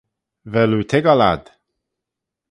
Vel oo toiggal ad?